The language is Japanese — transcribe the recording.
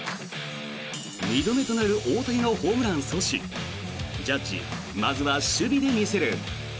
２度目となる大谷のホームラン阻止ジャッジ、まずは守備で見せる。